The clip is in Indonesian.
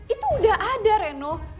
itu udah ada reno